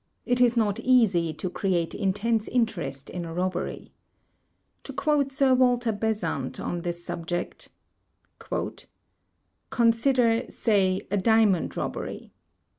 It is not easy to create intense interest in a robbery. To quote Sir Walter Besant on this subject: "Consider — say, a diamond robbery.